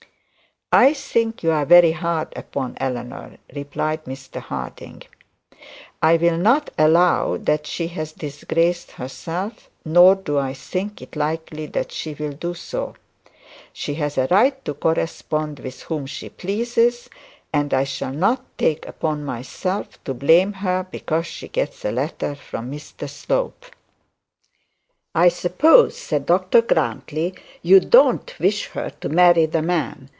'I think you are very hard upon Eleanor,' replied Mr Harding. 'I will not allow that she has disgraced herself, nor do I think it likely that she will do so. She has a right to correspond with whom she pleases, and I shall not take upon myself to blame her because she gets a letter from Slope.' 'I suppose,' said Dr Grantly, 'you don't wish her to marry this man.